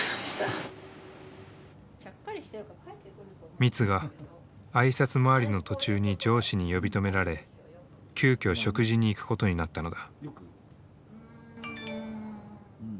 ミツが挨拶回りの途中に上司に呼び止められ急きょ食事に行くことになったのだ。